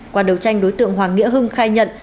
qua đấu tranh đối tượng hoàng nghĩa hưng khai nhận